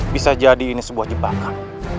bisa jadi ini sebuah jebakan